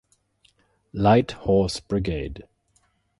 Light Horse Brigade.